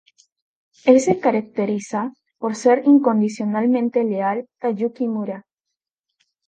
Él se caracteriza por ser incondicionalmente leal a Yukimura.